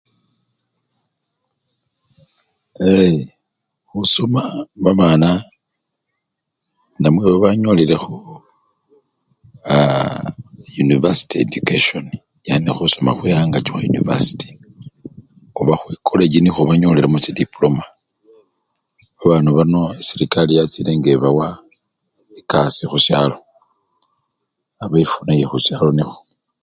yee! khusomya babana namwe babanyolilekho Yunivasiti Educasyoni yani khusoma khwe angaki khwa yunivasiti oba khwikolechi niyobanyolila kho chitipuloma abana bano serekari yachile ngebawa ekasii khusyalo nabefuna yekhusyalo nefwe!